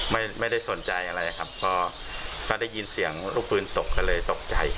ไม่ได้สนใจอะไรครับก็ได้ยินเสียงลูกปืนตกก็เลยตกใจ